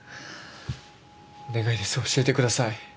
お願いです教えてください。